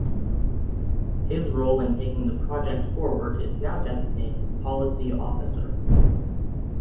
His role in taking the project forward is now designated 'Policy Officer'.